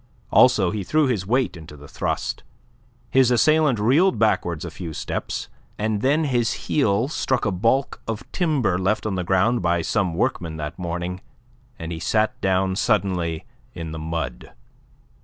Also he threw his weight into the thrust. His assailant reeled backwards a few steps, and then his heel struck a baulk of timber left on the ground by some workmen that morning, and he sat down suddenly in the mud.